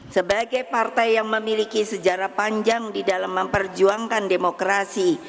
sebagai partai yang memiliki sejarah panjang di dalam memperjuangkan demokrasi